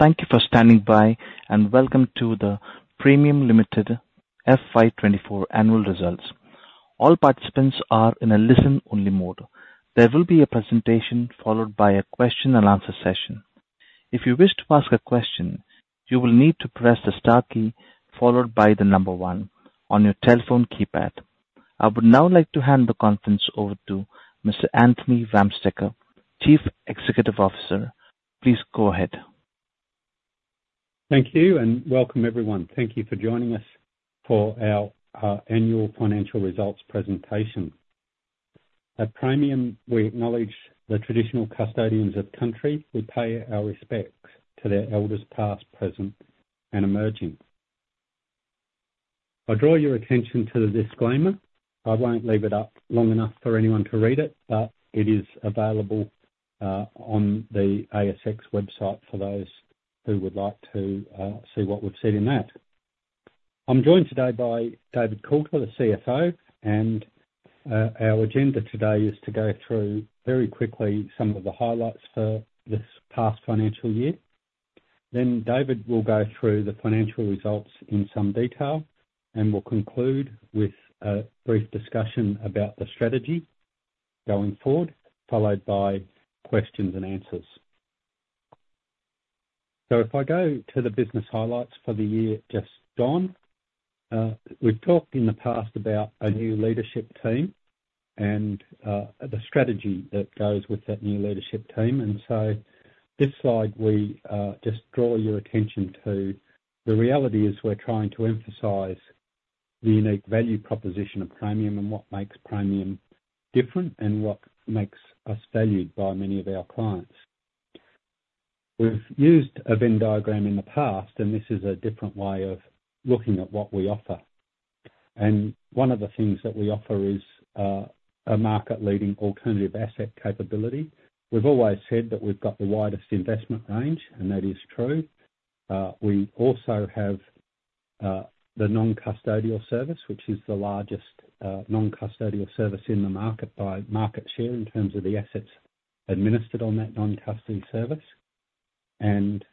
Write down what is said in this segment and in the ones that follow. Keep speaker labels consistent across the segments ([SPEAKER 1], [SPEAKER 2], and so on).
[SPEAKER 1] Thank you for standing by, and welcome to the Praemium Limited FY 2024 annual results. All participants are in a listen-only mode. There will be a presentation followed by a question and answer session. If you wish to ask a question, you will need to press the star key followed by the number one on your telephone keypad. I would now like to hand the conference over to Mr. Anthony Wamsteker, Chief Executive Officer. Please go ahead.
[SPEAKER 2] Thank you, and welcome, everyone. Thank you for joining us for our annual financial results presentation. At Praemium, we acknowledge the traditional custodians of country. We pay our respects to their elders, past, present, and emerging. I draw your attention to the disclaimer. I won't leave it up long enough for anyone to read it, but it is available on the ASX website for those who would like to see what we've said in that. I'm joined today by David Coulter, the CFO, and our agenda today is to go through very quickly some of the highlights for this past financial year. Then David will go through the financial results in some detail, and we'll conclude with a brief discussion about the strategy going forward, followed by questions and answers. If I go to the business highlights for the year just gone, we've talked in the past about a new leadership team and the strategy that goes with that new leadership team. This slide, we just draw your attention to. The reality is we're trying to emphasize the unique value proposition of Praemium and what makes Praemium different and what makes us valued by many of our clients. We've used a Venn diagram in the past, and this is a different way of looking at what we offer. One of the things that we offer is a market-leading alternative asset capability. We've always said that we've got the widest investment range, and that is true. We also have the non-custodial service, which is the largest non-custodial service in the market by market share in terms of the assets administered on that non-custodial service, and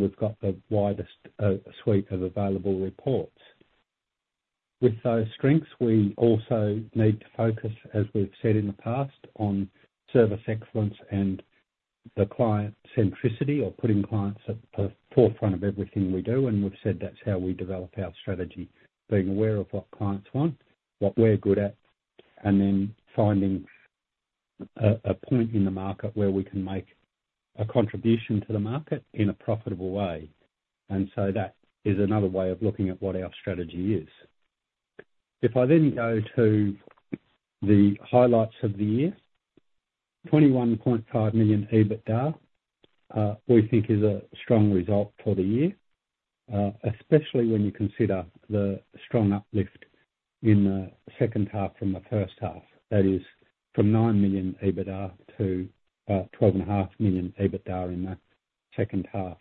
[SPEAKER 2] we've got the widest suite of available reports. With those strengths, we also need to focus, as we've said in the past, on service excellence and the client centricity, or putting clients at the forefront of everything we do, and we've said that's how we develop our strategy, being aware of what clients want, what we're good at, and then finding a point in the market where we can make a contribution to the market in a profitable way, and so that is another way of looking at what our strategy is. If I then go to the highlights of the year, 21.5 million EBITDA, we think is a strong result for the year, especially when you consider the strong uplift in the second half from the first half. That is from 9 million EBITDA to 12.5 million EBITDA in that second half.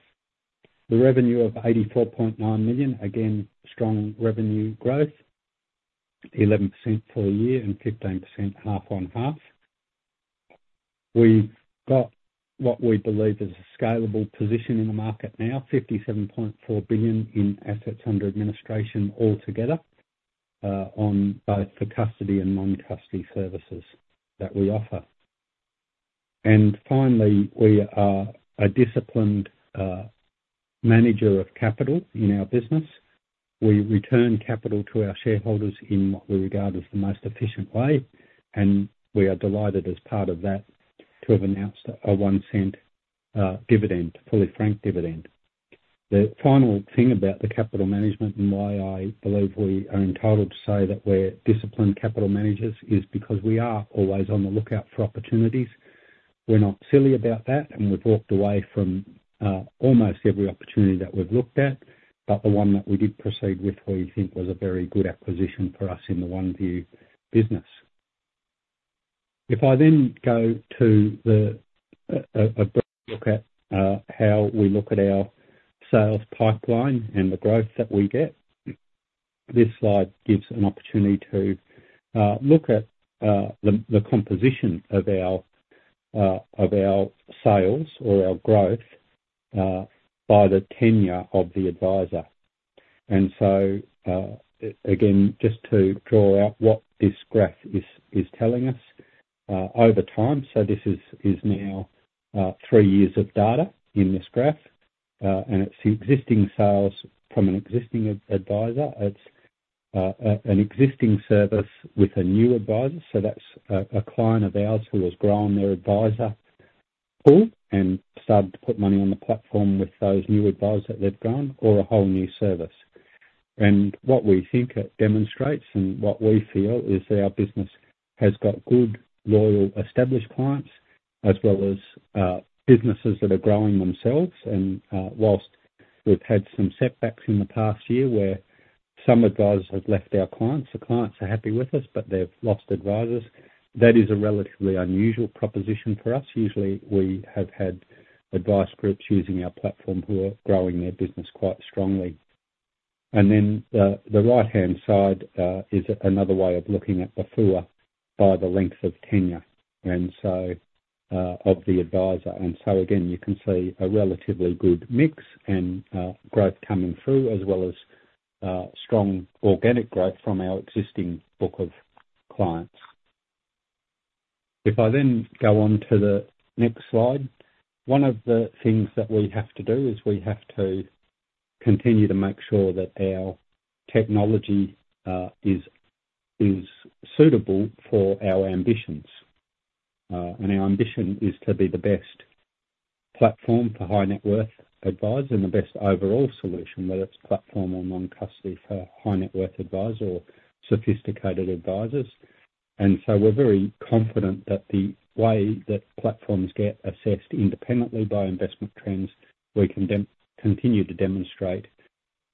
[SPEAKER 2] The revenue of 84.9 million, again, strong revenue growth, 11% for the year and 15% half on half. We've got what we believe is a scalable position in the market now, 57.4 billion in assets under administration altogether, on both the custody and non-custody services that we offer. And finally, we are a disciplined manager of capital in our business. We return capital to our shareholders in what we regard as the most efficient way, and we are delighted as part of that, to have announced a 0.01 dividend, fully franked dividend. The final thing about the capital management, and why I believe we are entitled to say that we're disciplined capital managers, is because we are always on the lookout for opportunities. We're not silly about that, and we've walked away from, almost every opportunity that we've looked at, but the one that we did proceed with, we think was a very good acquisition for us in the OneVue business. If I then go to a brief look at how we look at our sales pipeline and the growth that we get, this slide gives an opportunity to look at the composition of our sales or our growth by the tenure of the advisor, and so again, just to draw out what this graph is telling us over time, so this is now three years of data in this graph, and it's the existing sales from an existing advisor. It's an existing service with a new advisor, so that's a client of ours who has grown their advisor pool and started to put money on the platform with those new advisors that they've grown or a whole new service. And what we think it demonstrates and what we feel is our business has got good, loyal, established clients, as well as, businesses that are growing themselves. And, while we've had some setbacks in the past year where some advisors have left our clients, the clients are happy with us, but they've lost advisors. That is a relatively unusual proposition for us. Usually, we have had advice groups using our platform who are growing their business quite strongly. And then, the right-hand side is another way of looking at the FUA by the length of tenure, and so, of the advisor. And so again, you can see a relatively good mix and, growth coming through, as well as, strong organic growth from our existing book of clients. If I then go on to the next slide, one of the things that we have to do is we have to continue to make sure that our technology is suitable for our ambitions. Our ambition is to be the best platform for high net worth advisors, and the best overall solution, whether it's platform or non-custody, for high net worth advisors or sophisticated advisors. We are very confident that the way that platforms get assessed independently by Investment Trends, we can continue to demonstrate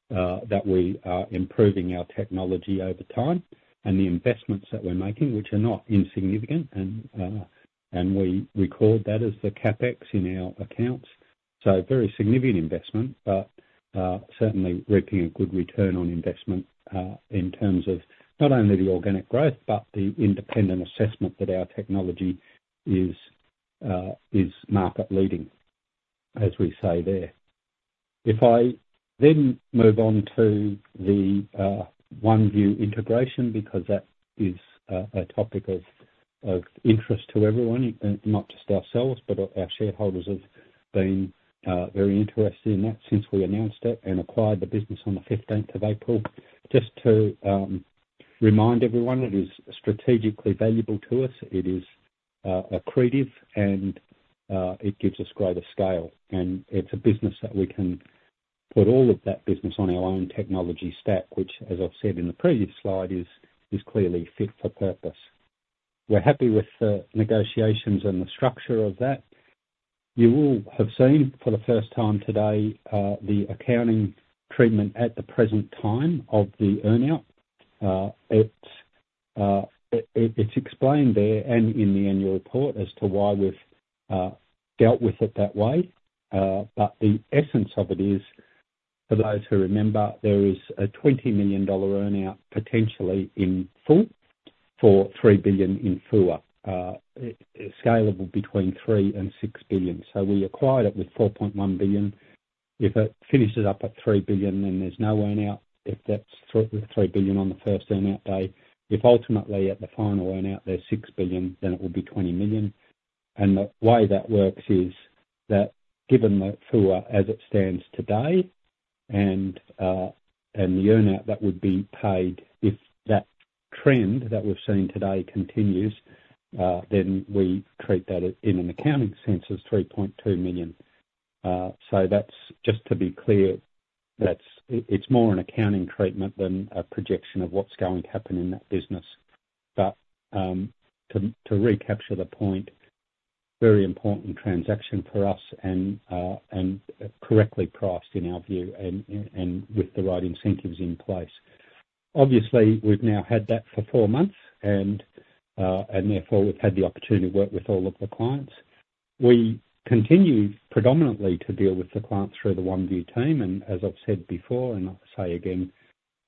[SPEAKER 2] that we are improving our technology over time. The investments that we are making, which are not insignificant, and we record that as the CapEx in our accounts. So very significant investment, but certainly reaping a good return on investment in terms of not only the organic growth, but the independent assessment that our technology is market leading, as we say there. If I then move on to the OneVue integration, because that is a topic of interest to everyone, not just ourselves, but our shareholders have been very interested in that since we announced it and acquired the business on the fifteenth of April. Just to remind everyone, it is strategically valuable to us. It is accretive, and it gives us greater scale, and it's a business that we can put all of that business on our own technology stack, which, as I've said in the previous slide, is clearly fit for purpose. We're happy with the negotiations and the structure of that. You all have seen, for the first time today, the accounting treatment at the present time of the earn-out. It's explained there and in the annual report as to why we've dealt with it that way, but the essence of it is, for those who remember, there is a 20 million dollar earn-out potentially in full for 3 billion in FUA. It's scalable between 3 billion and 6 billion, so we acquired it with 4.1 billion. If it finishes up at 3 billion, then there's no earn-out. If that's three billion on the first earn-out day, if ultimately at the final earn-out there's 6 billion, then it will be 20 million. And the way that works is that given the FUA as it stands today, and the earn-out that would be paid if that trend that we're seeing today continues, then we treat that, in an accounting sense, as 3.2 million. So that's just to be clear, that's it, it's more an accounting treatment than a projection of what's going to happen in that business. But to recapture the point, very important transaction for us and correctly priced in our view, and with the right incentives in place. Obviously, we've now had that for four months, and therefore, we've had the opportunity to work with all of the clients. We continue predominantly to deal with the clients through the OneVue team, and as I've said before, and I'll say again,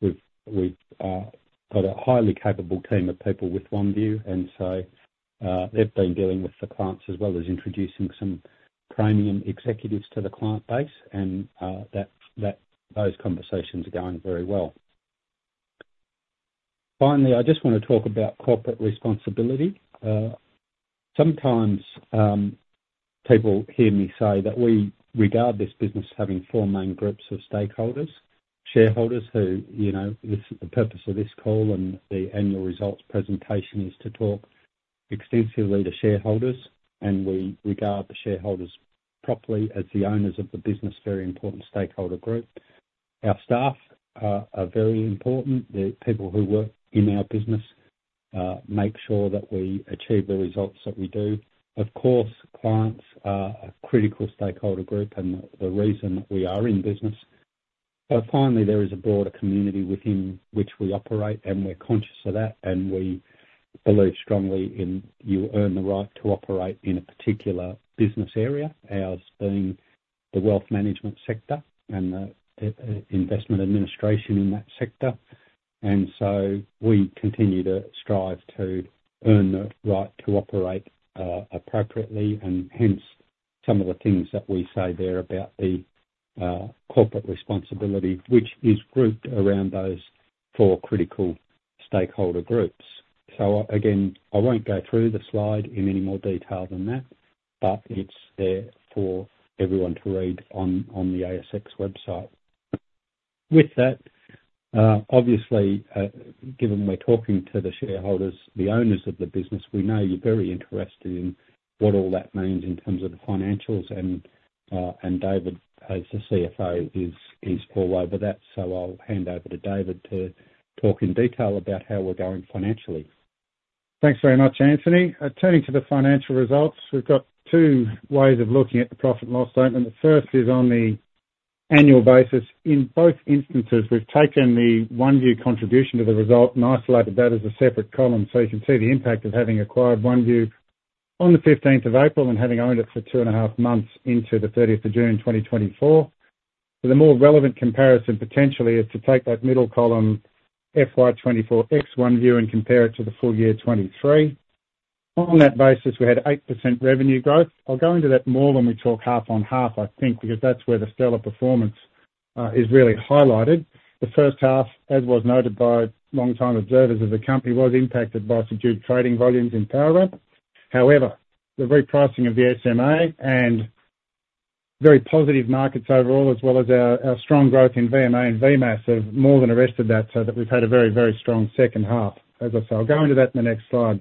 [SPEAKER 2] we've got a highly capable team of people with OneVue, and so, they've been dealing with the clients as well as introducing some Praemium executives to the client base, and, that, those conversations are going very well. Finally, I just want to talk about corporate responsibility. Sometimes, people hear me say that we regard this business as having four main groups of stakeholders: shareholders, who, you know, this, the purpose of this call and the annual results presentation is to talk extensively to shareholders, and we regard the shareholders properly as the owners of the business, very important stakeholder group. Our staff are very important. The people who work in our business make sure that we achieve the results that we do. Of course, clients are a critical stakeholder group and the reason that we are in business. But finally, there is a broader community within which we operate, and we're conscious of that, and we believe strongly in you earn the right to operate in a particular business area, ours being the wealth management sector and the investment administration in that sector. And so we continue to strive to earn the right to operate appropriately. And hence, some of the things that we say there about the corporate responsibility, which is grouped around those four critical stakeholder groups. So again, I won't go through the slide in any more detail than that, but it's there for everyone to read on the ASX website. With that, obviously, given we're talking to the shareholders, the owners of the business, we know you're very interested in what all that means in terms of the financials, and David, as the CFO, is all over that. So I'll hand over to David to talk in detail about how we're going financially.
[SPEAKER 3] Thanks very much, Anthony. Turning to the financial results, we've got two ways of looking at the profit and loss statement. The first is on the annual basis. In both instances, we've taken the OneVue contribution to the result and isolated that as a separate column. So you can see the impact of having acquired OneVue on the fifteenth of April, and having owned it for two and a half months into the thirtieth of June, 2024. The more relevant comparison potentially is to take that middle column, FY 2024 X OneVue, and compare it to the full year 2023. On that basis, we had 8% revenue growth. I'll go into that more when we talk half on half, I think, because that's where the stellar performance is really highlighted. The first half, as was noted by long-time observers of the company, was impacted by subdued trading volumes in Powerwrap. However, the repricing of the SMA and very positive markets overall, as well as our strong growth in VMA and VMAAS, have more than arrested that, so that we've had a very, very strong second half, as I said. I'll go into that in the next slide.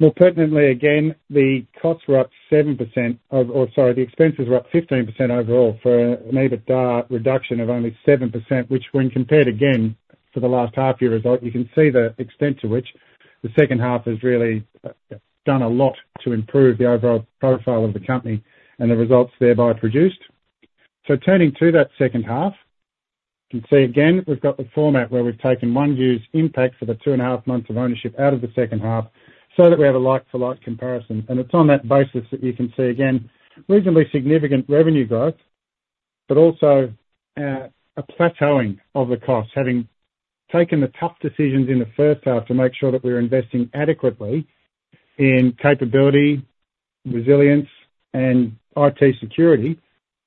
[SPEAKER 3] More pertinently, again, the costs were up 7% or sorry, the expenses were up 15% overall for an EBITDA reduction of only 7%, which when compared again to the last half year result, you can see the extent to which the second half has really done a lot to improve the overall profile of the company and the results thereby produced. Turning to that second half, you can see again, we've got the format where we've taken OneVue's impact for the two and a half months of ownership out of the second half, so that we have a like-for-like comparison. And it's on that basis that you can see, again, reasonably significant revenue growth, but also a plateauing of the costs. Having taken the tough decisions in the first half to make sure that we're investing adequately in capability, resilience, and IT security,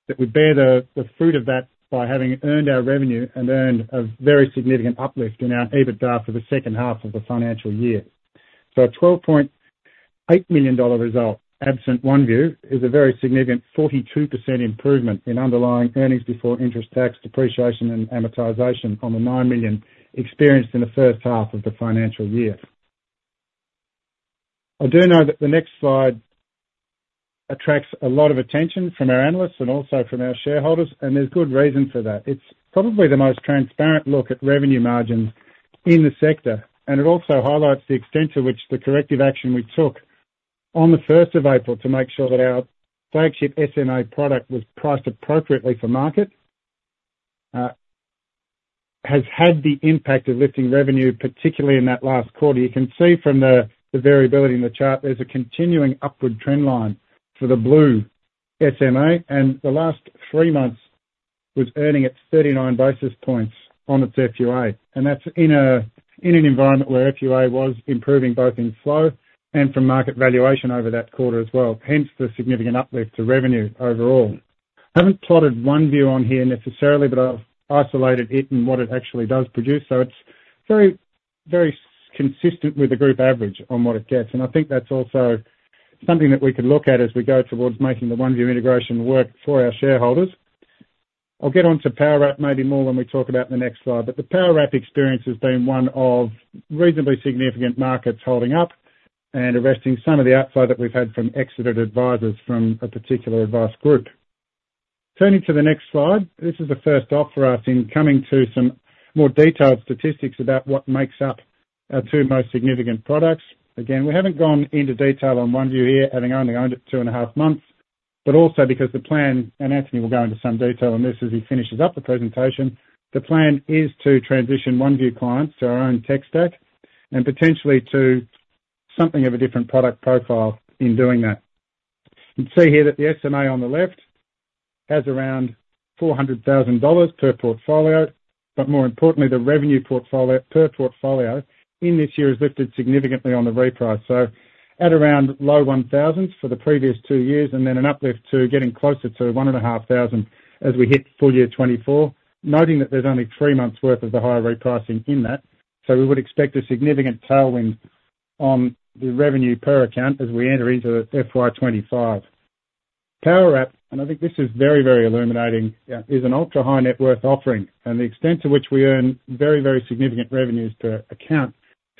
[SPEAKER 3] that we bear the fruit of that by having earned our revenue and earned a very significant uplift in our EBITDA for the second half of the financial year. A twelve point eight million dollar result, absent OneVue, is a very significant 42% improvement in underlying earnings before interest, tax, depreciation, and amortization on the 9 million experienced in the first half of the financial year. I do know that the next slide attracts a lot of attention from our analysts and also from our shareholders, and there's good reason for that. It's probably the most transparent look at revenue margins in the sector, and it also highlights the extent to which the corrective action we took on the first of April to make sure that our flagship SMA product was priced appropriately for market has had the impact of lifting revenue, particularly in that last quarter. You can see from the variability in the chart. There's a continuing upward trend line for the blue SMA, and the last three months was earning its 39 basis points on its FUA, and that's in an environment where FUA was improving both in flow and from market valuation over that quarter as well, hence the significant uplift to revenue overall. I haven't plotted OneVue on here necessarily, but I've isolated it and what it actually does produce, so it's very, very consistent with the group average on what it gets. I think that's also something that we can look at as we go towards making the OneVue integration work for our shareholders. I'll get on to Powerwrap maybe more when we talk about in the next slide, but the Powerwrap experience has been one of reasonably significant markets holding up and arresting some of the outflow that we've had from exited advisors from a particular advice group. Turning to the next slide, this is the first off for us in coming to some more detailed statistics about what makes up our two most significant products. Again, we haven't gone into detail on OneVue here, having only owned it two and a half months, but also because the plan, and Anthony will go into some detail on this as he finishes up the presentation, the plan is to transition OneVue clients to our own tech stack and potentially to something of a different product profile in doing that. You can see here that the SMA on the left has around 400,000 dollars per portfolio, but more importantly, the revenue per portfolio in this year is lifted significantly on the reprice. So at around low 1,000s for the previous two years, and then an uplift to getting closer to 1,500 as we hit full year 2024, noting that there's only 3 months' worth of the higher repricing in that, so we would expect a significant tailwind on the revenue per account as we enter into FY 2025. Powerwrap, and I think this is very, very illuminating, is an ultra-high net worth offering, and the extent to which we earn very, very significant revenues per account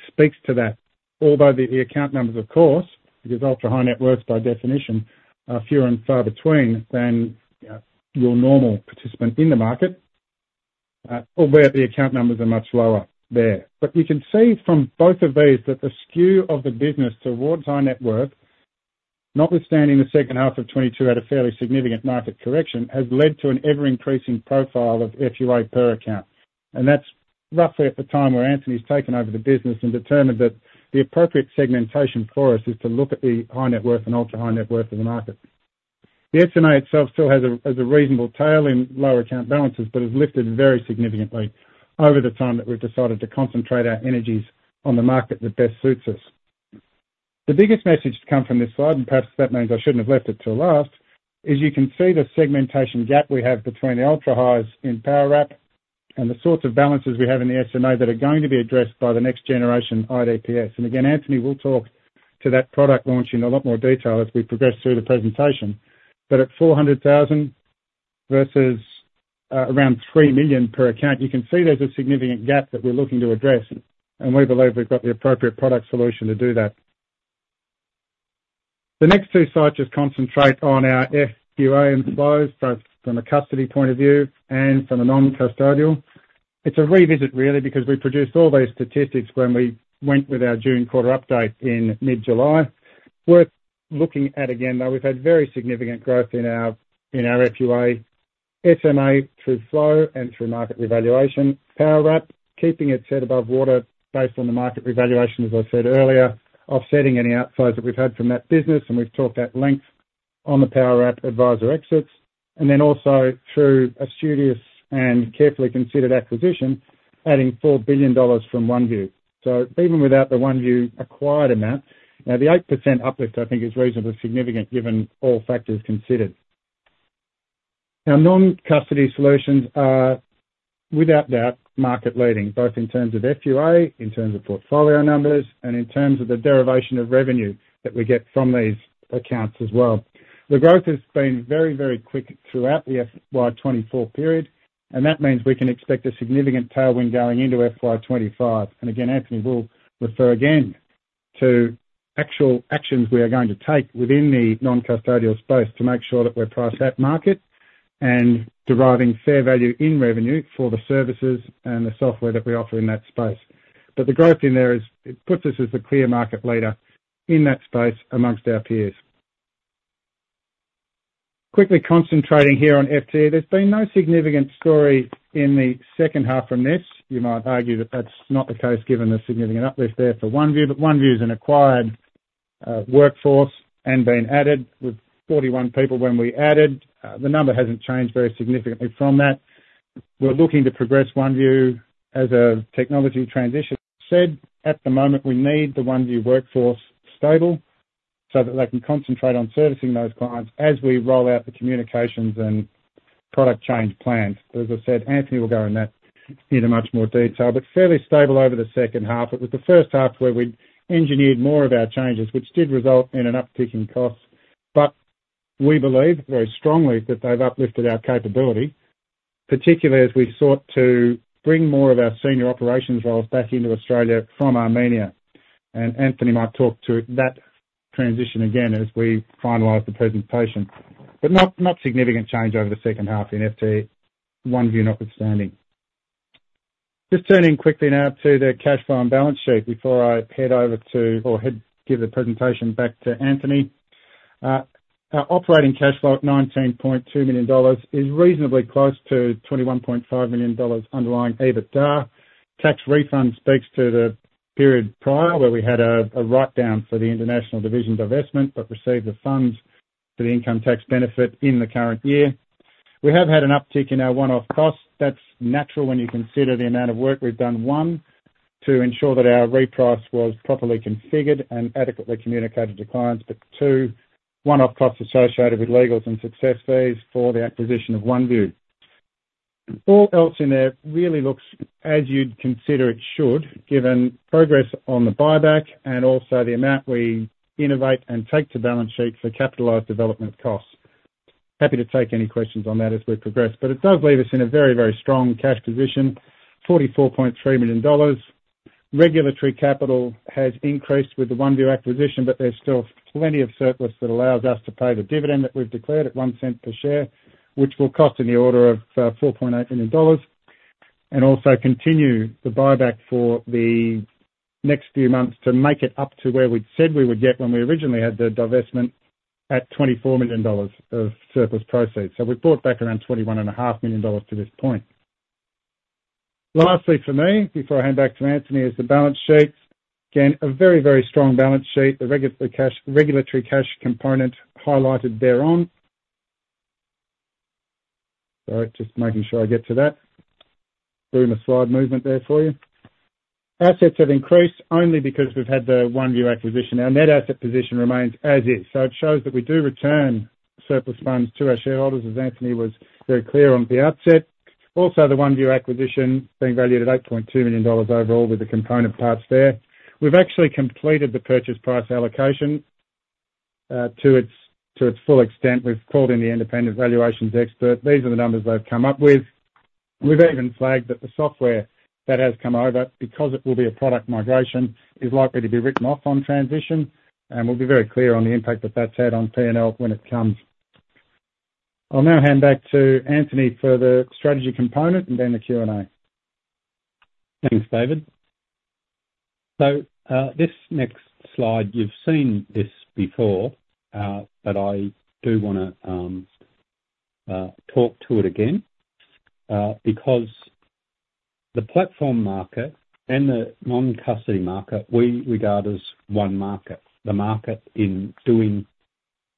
[SPEAKER 3] speaks to that. Although the account numbers, of course, because ultra-high net worth by definition, are fewer and far between than your normal participant in the market, although the account numbers are much lower there, but you can see from both of these that the skew of the business towards high net worth, notwithstanding the second half of 2022 at a fairly significant market correction, has led to an ever-increasing profile of FUA per account, and that's roughly at the time where Anthony's taken over the business and determined that the appropriate segmentation for us is to look at the high net worth and ultra-high net worth of the market. The SMA itself still has a reasonable tail in lower account balances, but has lifted very significantly over the time that we've decided to concentrate our energies on the market that best suits us. The biggest message to come from this slide, and perhaps that means I shouldn't have left it till last, is you can see the segmentation gap we have between the ultra highs in Powerwrap and the sorts of balances we have in the SMA that are going to be addressed by the next generation IDPS. And again, Anthony will talk to that product launch in a lot more detail as we progress through the presentation. But at 400,000 versus around 3 million per account, you can see there's a significant gap that we're looking to address, and we believe we've got the appropriate product solution to do that. The next two slides just concentrate on our FUA inflows, both from a custody point of view and from a non-custodial. It's a revisit, really, because we produced all these statistics when we went with our June quarter update in mid-July. Worth looking at again, though. We've had very significant growth in our FUA SMA through flow and through market revaluation. Powerwrap, keeping its head above water based on the market revaluation, as I said earlier, offsetting any outflows that we've had from that business, and we've talked at length on the Powerwrap advisor exits, and then also through a studious and carefully considered acquisition, adding 4 billion dollars from OneVue. So even without the OneVue acquired amount, now, the 8% uplift, I think, is reasonably significant given all factors considered. Now, non-custodial solutions are, without doubt, market leading, both in terms of FUA, in terms of portfolio numbers, and in terms of the derivation of revenue that we get from these accounts as well. The growth has been very, very quick throughout the FY 2024 period, and that means we can expect a significant tailwind going into FY 2025. And again, Anthony will refer again to actual actions we are going to take within the non-custodial space to make sure that we're priced at market and deriving fair value in revenue for the services and the software that we offer in that space. But the growth in there is, it puts us as the clear market leader in that space amongst our peers. Quickly concentrating here on FUA. There's been no significant story in the second half from this. You might argue that that's not the case, given the significant uplift there for OneVue, but OneVue is an acquired workforce and been added. With 41 people when we added, the number hasn't changed very significantly from that. We're looking to progress OneVue as a technology transition. So, at the moment, we need the OneVue workforce stable so that they can concentrate on servicing those clients as we roll out the communications and product change plans. But as I said, Anthony will go into that in much more detail, but fairly stable over the second half. It was the first half where we'd engineered more of our changes, which did result in an uptick in costs. But we believe very strongly that they've uplifted our capability, particularly as we sought to bring more of our senior operations roles back into Australia from Armenia. And Anthony might talk to that transition again as we finalize the presentation. But not significant change over the second half in FT, OneVue notwithstanding. Just turning quickly now to the cash flow and balance sheet before I head over to or hand, give the presentation back to Anthony. Our operating cash flow, 19.2 million dollars, is reasonably close to 21.5 million dollars underlying EBITDA. Tax refund speaks to the period prior, where we had a writedown for the international division divestment, but received the funds for the income tax benefit in the current year. We have had an uptick in our one-off costs. That's natural when you consider the amount of work we've done, one, to ensure that our reprice was properly configured and adequately communicated to clients, but two, one-off costs associated with legals and success fees for the acquisition of OneVue. All else in there really looks as you'd consider it should, given progress on the buyback and also the amount we innovate and take to balance sheet for capitalized development costs. Happy to take any questions on that as we progress, but it does leave us in a very, very strong cash position, 44.3 million dollars. Regulatory capital has increased with the OneVue acquisition, but there's still plenty of surplus that allows us to pay the dividend that we've declared at 0.01 per share, which will cost in the order of 4.8 million dollars, and also continue the buyback for the next few months to make it up to where we'd said we would get when we originally had the divestment at 24 million dollars of surplus proceeds. So we've brought back around 21.5 million dollars to this point. Lastly for me, before I hand back to Anthony, is the balance sheet. Again, a very, very strong balance sheet. The regulatory cash, regulatory cash component highlighted thereon. Sorry, just making sure I get to that. Boom, a slide movement there for you. Assets have increased only because we've had the OneVue acquisition. Our net asset position remains as is, so it shows that we do return surplus funds to our shareholders, as Anthony was very clear on the outset. Also, the OneVue acquisition being valued at 8.2 million dollars overall with the component parts there. We've actually completed the purchase price allocation to its full extent. We've called in the independent valuations expert. These are the numbers they've come up with. We've even flagged that the software that has come over, because it will be a product migration, is likely to be written off on transition, and we'll be very clear on the impact that that's had on PNL when it comes. I'll now hand back to Anthony for the strategy component and then the Q&A.
[SPEAKER 2] Thanks, David. So, this next slide, you've seen this before, but I do wanna talk to it again, because the platform market and the non-custody market, we regard as one market, the market in doing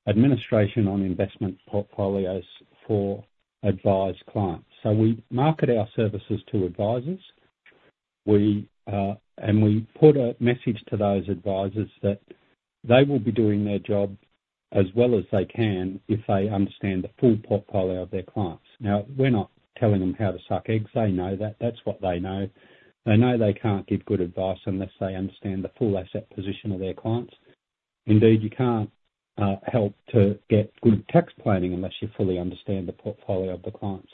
[SPEAKER 2] administration on investment portfolios for advised clients. So we market our services to advisors. We, and we put a message to those advisors that they will be doing their job as well as they can if they understand the full portfolio of their clients. Now, we're not telling them how to suck eggs. They know that. That's what they know. They know they can't give good advice unless they understand the full asset position of their clients. Indeed, you can't help to get good tax planning unless you fully understand the portfolio of the clients.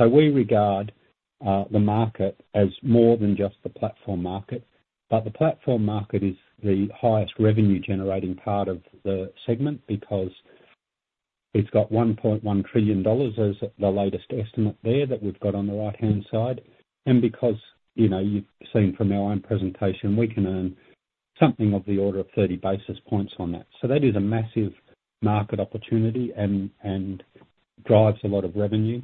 [SPEAKER 2] We regard the market as more than just the platform market, but the platform market is the highest revenue-generating part of the segment because it's got 1.1 trillion dollars as the latest estimate there that we've got on the right-hand side, and because, you know, you've seen from our own presentation, we can earn something of the order of 30 basis points on that. That is a massive market opportunity and drives a lot of revenue.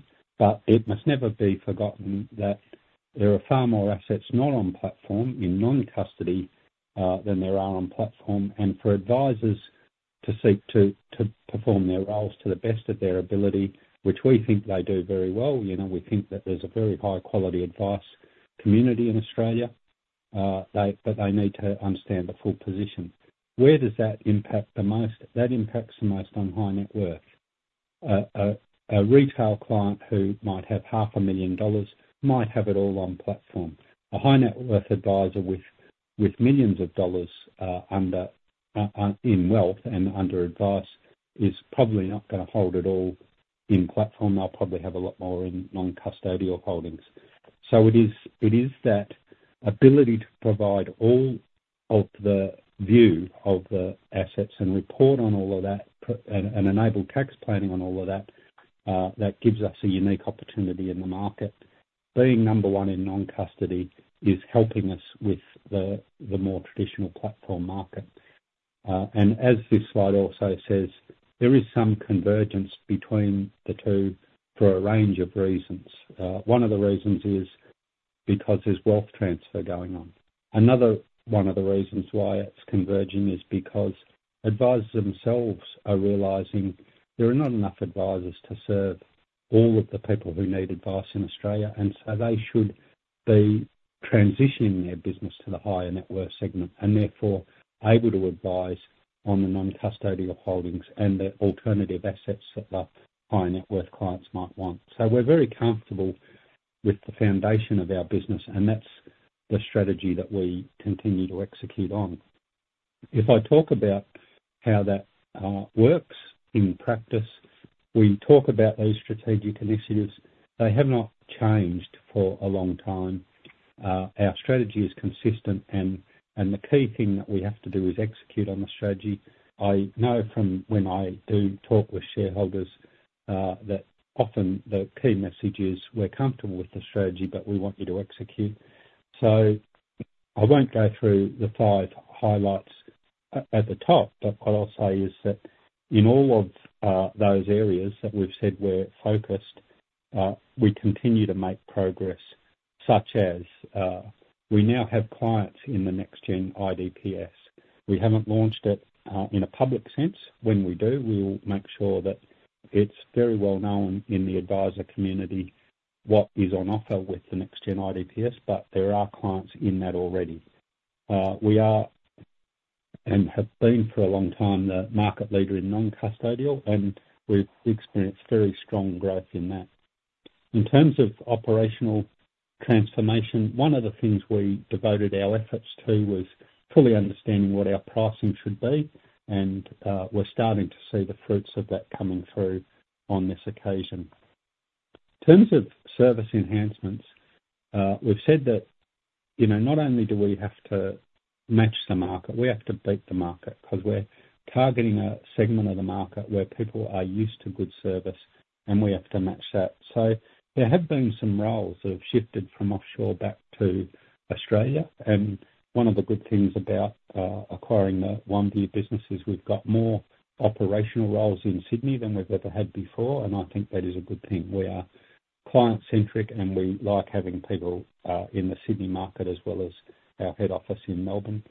[SPEAKER 2] It must never be forgotten that there are far more assets, not on platform, in non-custody, than there are on platform. For advisors to seek to perform their roles to the best of their ability, which we think they do very well. You know, we think that there's a very high quality advice community in Australia, but they need to understand the full position. Where does that impact the most? That impacts the most on high net worth. A retail client who might have 500,000 dollars might have it all on platform. A high net worth advisor with millions of dollars under in wealth and under advice is probably not gonna hold it all in platform. They'll probably have a lot more in non-custodial holdings. It is that ability to provide all of the view of the assets and report on all of that, and enable tax planning on all of that, that gives us a unique opportunity in the market. Being number one in non-custodial is helping us with the more traditional platform market. And as this slide also says, there is some convergence between the two for a range of reasons. One of the reasons is because there's wealth transfer going on. Another one of the reasons why it's converging is because advisors themselves are realizing there are not enough advisors to serve all of the people who need advice in Australia, and so they should be transitioning their business to the higher net worth segment, and therefore able to advise on the non-custodial holdings and the alternative assets that the high net worth clients might want. So we're very comfortable with the foundation of our business, and that's the strategy that we continue to execute on. If I talk about how that works in practice, we talk about these strategic initiatives. They have not changed for a long time. Our strategy is consistent, and the key thing that we have to do is execute on the strategy. I know from when I do talk with shareholders, that often the key message is: we're comfortable with the strategy, but we want you to execute. So I won't go through the five highlights at the top, but what I'll say is that in all of, those areas that we've said we're focused, we continue to make progress, such as, we now have clients in the next-gen IDPS. We haven't launched it, in a public sense. When we do, we'll make sure that it's very well known in the advisor community what is on offer with the next-gen IDPS, but there are clients in that already. We are, and have been for a long time, the market leader in non-custodial, and we've experienced very strong growth in that. In terms of operational transformation, one of the things we devoted our efforts to was fully understanding what our pricing should be, and we're starting to see the fruits of that coming through on this occasion. In terms of service enhancements, we've said that, you know, not only do we have to match the market, we have to beat the market, 'cause we're targeting a segment of the market where people are used to good service, and we have to match that, so there have been some roles that have shifted from offshore back to Australia, and one of the good things about acquiring the OneVue business is we've got more operational roles in Sydney than we've ever had before, and I think that is a good thing. We are client-centric, and we like having people in the Sydney market, as well as our head office in Melbourne.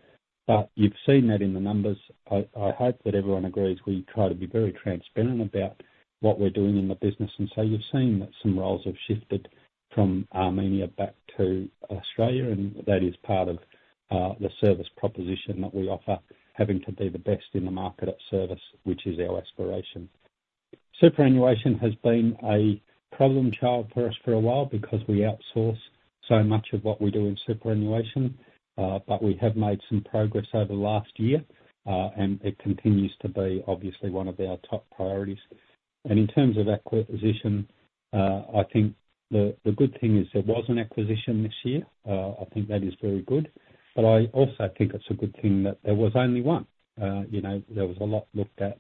[SPEAKER 2] But you've seen that in the numbers. I hope that everyone agrees, we try to be very transparent about what we're doing in the business, and so you've seen that some roles have shifted from Armenia back to Australia, and that is part of the service proposition that we offer, having to be the best in the market at service, which is our aspiration. Superannuation has been a problem child for us for a while, because we outsource so much of what we do in superannuation. But we have made some progress over the last year, and it continues to be, obviously, one of our top priorities. And in terms of acquisition, I think the good thing is there was an acquisition this year. I think that is very good, but I also think it's a good thing that there was only one. You know, there was a lot looked at,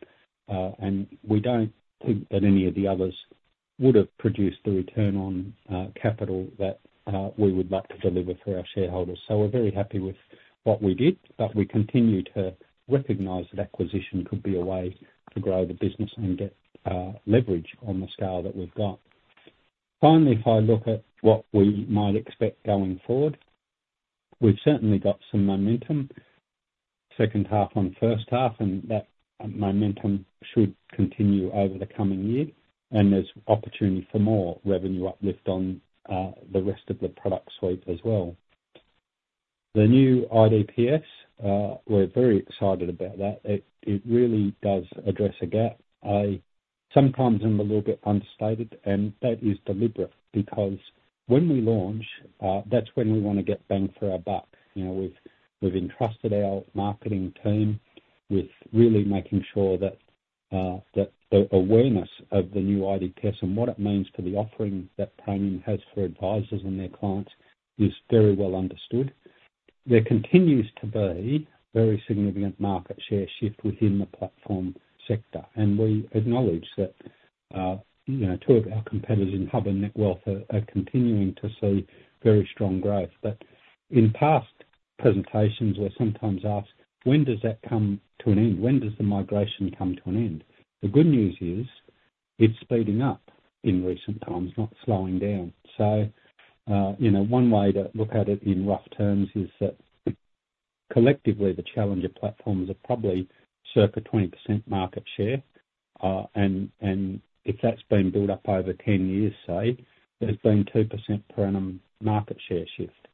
[SPEAKER 2] and we don't think that any of the others would have produced the return on capital that we would like to deliver for our shareholders. So we're very happy with what we did, but we continue to recognize that acquisition could be a way to grow the business and get leverage on the scale that we've got. Finally, if I look at what we might expect going forward, we've certainly got some momentum, second half on first half, and that momentum should continue over the coming year, and there's opportunity for more revenue uplift on, the rest of the product suite as well. The new IDPS, we're very excited about that. It really does address a gap. I sometimes am a little bit understated, and that is deliberate, because when we launch, that's when we wanna get bang for our buck. You know, we've entrusted our marketing team with really making sure that the awareness of the new IDPS and what it means for the offering that Praemium has for advisors and their clients is very well understood. There continues to be very significant market share shift within the platform sector, and we acknowledge that, you know, two of our competitors in Hub and Netwealth are continuing to see very strong growth. But in past presentations, we're sometimes asked: When does that come to an end? When does the migration come to an end? The good news is, it's speeding up in recent times, not slowing down. So, you know, one way to look at it in rough terms is that collectively, the challenger platforms are probably circa 20% market share. And if that's been built up over 10 years, say, there's been 2% per annum market share shift,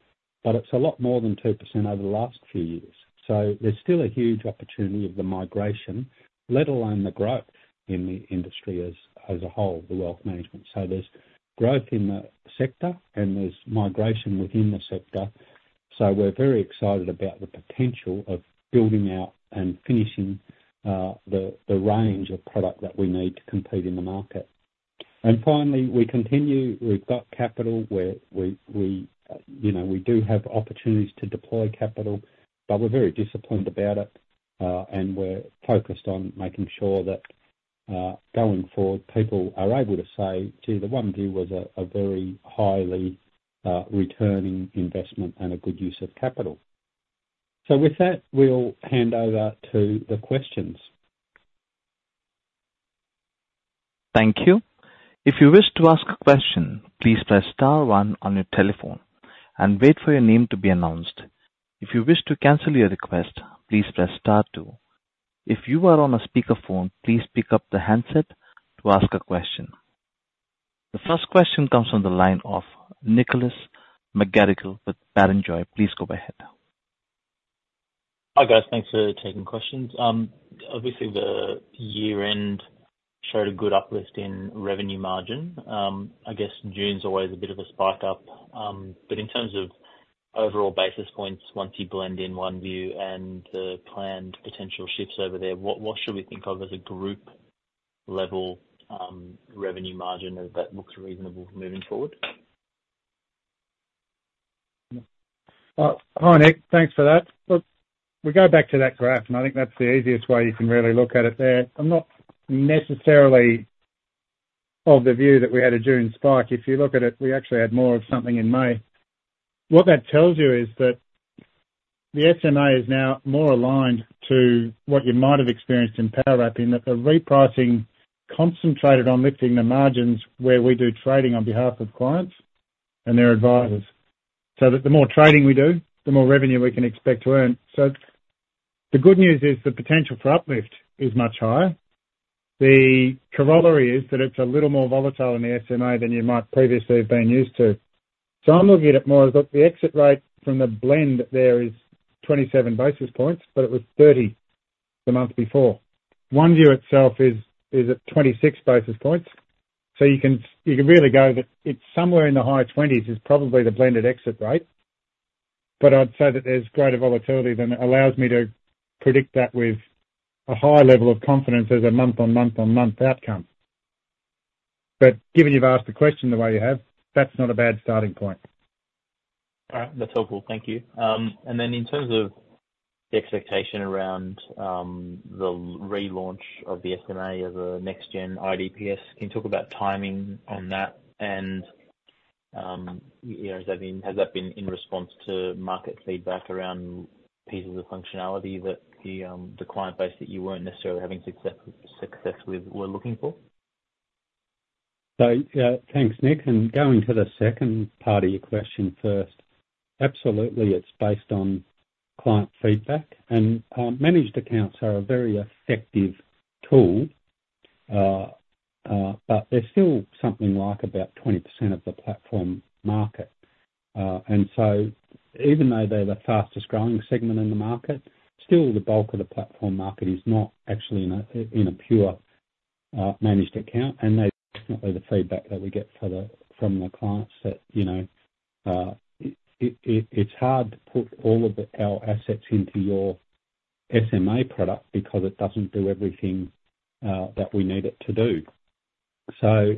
[SPEAKER 2] but it's a lot more than 2% over the last few years. So there's still a huge opportunity of the migration, let alone the growth in the industry as a whole, the wealth management. So there's growth in the sector, and there's migration within the sector, so we're very excited about the potential of building out and finishing the range of product that we need to compete in the market. And finally, we continue. We've got capital where we, you know, do have opportunities to deploy capital, but we're very disciplined about it and we're focused on making sure that going forward, people are able to say, "Gee, the OneVue was a very highly returning investment and a good use of capital." So with that, we'll hand over to the questions.
[SPEAKER 1] Thank you. If you wish to ask a question, please press star one on your telephone and wait for your name to be announced. If you wish to cancel your request, please press star two. If you are on a speakerphone, please pick up the handset to ask a question. The first question comes from the line of Nicholas McGarrigle with Barrenjoey. Please go ahead.
[SPEAKER 4] Hi, guys. Thanks for taking questions. Obviously, the year end showed a good uplift in revenue margin. I guess June's always a bit of a spike up, but in terms of overall basis points, once you blend in OneVue and the planned potential shifts over there, what should we think of as a group level revenue margin that looks reasonable moving forward?
[SPEAKER 3] Hi, Nick. Thanks for that. Look, we go back to that graph, and I think that's the easiest way you can really look at it there. I'm not necessarily of the view that we had a June spike. If you look at it, we actually had more of something in May. What that tells you is that the SMA is now more aligned to what you might have experienced in Powerwrap, in that the repricing concentrated on lifting the margins where we do trading on behalf of clients and their advisors, so that the more trading we do, the more revenue we can expect to earn. So the good news is the potential for uplift is much higher. The corollary is that it's a little more volatile in the SMA than you might previously have been used to. I'm looking at it more as, look, the exit rate from the blend there is 27 basis points, but it was thirty the month before. OneVue itself is at 26 basis points, so you can really go that it's somewhere in the high twenties is probably the blended exit rate. I'd say that there's greater volatility than it allows me to predict that with a higher level of confidence as a month on month on month outcome. Given you've asked the question the way you have, that's not a bad starting point.
[SPEAKER 4] All right. That's helpful. Thank you. And then in terms of the expectation around the relaunch of the SMA as a next gen IDPS, can you talk about timing on that? And you know, has that been in response to market feedback around pieces of functionality that the client base that you weren't necessarily having success with were looking for?
[SPEAKER 2] Thanks, Nick. Going to the second part of your question first, absolutely, it's based on client feedback. Managed accounts are a very effective tool, but they're still something like about 20% of the platform market. So even though they're the fastest growing segment in the market, still the bulk of the platform market is not actually in a pure managed account. That's definitely the feedback that we get from the clients, that you know it's hard to put all our assets into your SMA product because it doesn't do everything that we need it to do. So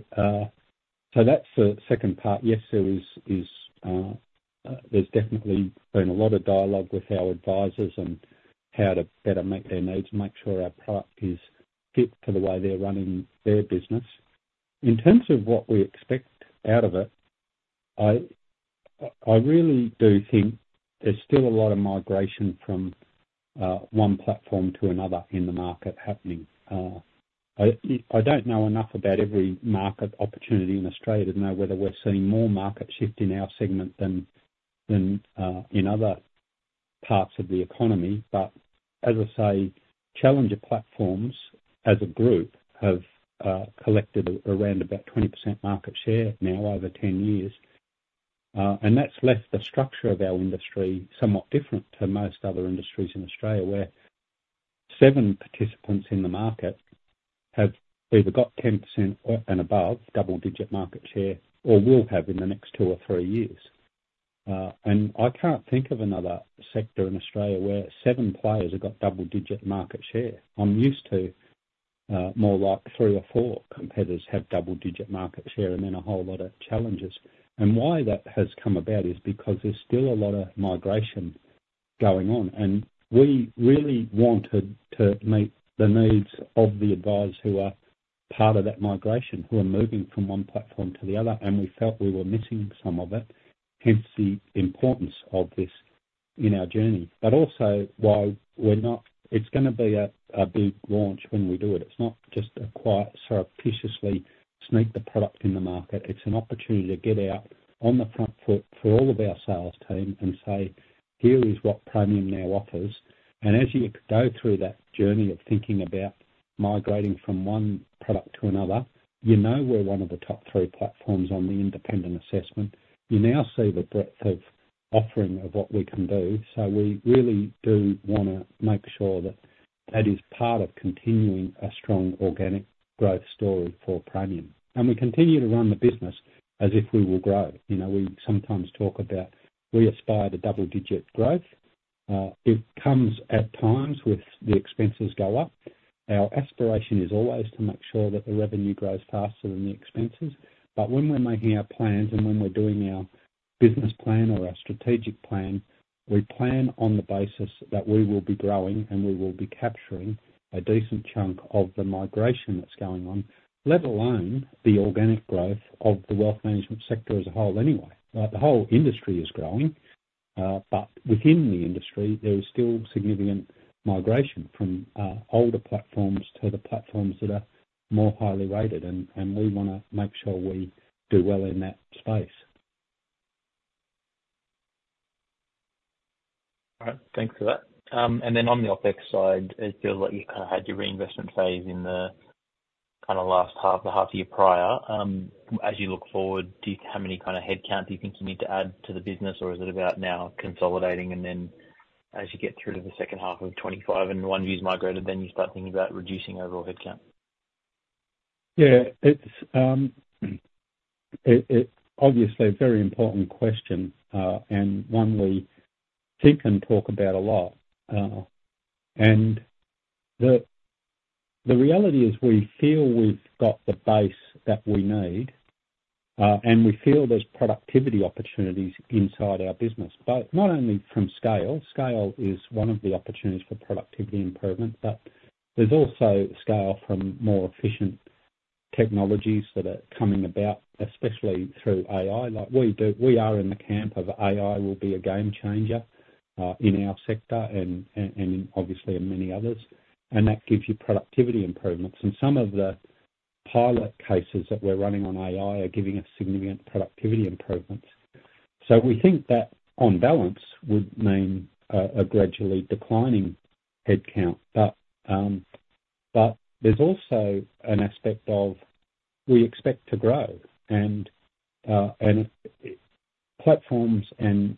[SPEAKER 2] that's the second part. Yes, there is. There's definitely been a lot of dialogue with our advisors on how to better meet their needs and make sure our product is fit for the way they're running their business. In terms of what we expect out of it, I really do think there's still a lot of migration from one platform to another in the market happening. I don't know enough about every market opportunity in Australia to know whether we're seeing more market shift in our segment than in other parts of the economy. But as I say, challenger platforms, as a group, have collected around about 20% market share now over 10 years. And that's left the structure of our industry somewhat different to most other industries in Australia, where seven participants in the market have either got 10% or above double digit market share or will have in the next two or three years. And I can't think of another sector in Australia where seven players have got double digit market share. I'm used to more like three or four competitors have double digit market share, and then a whole lot of challengers. And why that has come about is because there's still a lot of migration going on, and we really wanted to meet the needs of the advisors who are part of that migration, who are moving from one platform to the other, and we felt we were missing some of it, hence the importance of this in our journey. But also, while we're not, it's gonna be a big launch when we do it. It's not just a quiet, surreptitiously sneak the product in the market. It's an opportunity to get out on the front foot for all of our sales team and say: "Here is what Praemium now offers." And as you go through that journey of thinking about migrating from one product to another, you know we're one of the top three platforms on the independent assessment. You now see the breadth of offering of what we can do, so we really do wanna make sure that that is part of continuing a strong organic growth story for Praemium. And we continue to run the business as if we will grow. You know, we sometimes talk about we aspire to double-digit growth. It comes at times with the expenses go up. Our aspiration is always to make sure that the revenue grows faster than the expenses. But when we're making our plans and when we're doing our business plan or our strategic plan, we plan on the basis that we will be growing, and we will be capturing a decent chunk of the migration that's going on, let alone the organic growth of the wealth management sector as a whole anyway. The whole industry is growing, but within the industry, there is still significant migration from older platforms to the platforms that are more highly rated, and we wanna make sure we do well in that space.
[SPEAKER 4] All right, thanks for that. And then on the OpEx side, it feels like you kind of had your reinvestment phase in the kind of last half, the half year prior. As you look forward, do you- how many kind of headcount do you think you need to add to the business? Or is it about now consolidating, and then as you get through to the second half of 2025 and OneVue's migrated, then you start thinking about reducing overall headcount?
[SPEAKER 2] Yeah, it's it obviously a very important question, and one we think and talk about a lot. And the reality is we feel we've got the base that we need, and we feel there's productivity opportunities inside our business, but not only from scale. Scale is one of the opportunities for productivity improvement, but there's also scale from more efficient technologies that are coming about, especially through AI. Like, we are in the camp of AI will be a game changer, in our sector and obviously in many others, and that gives you productivity improvements. And some of the pilot cases that we're running on AI are giving us significant productivity improvements. So we think that, on balance, would mean a gradually declining headcount. But there's also an aspect of we expect to grow, and platforms and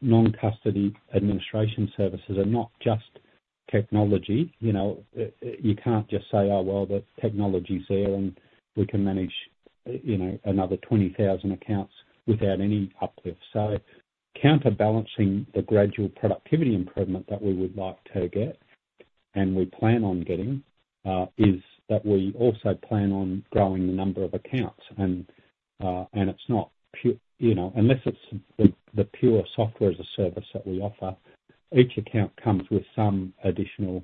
[SPEAKER 2] non-custodial administration services are not just technology. You know, you can't just say, "Oh, well, the technology's there, and we can manage, you know, another thousand accounts without any uplift." So counterbalancing the gradual productivity improvement that we would like to get, and we plan on getting, is that we also plan on growing the number of accounts. And it's not, you know, unless it's the pure software as a service that we offer, each account comes with some additional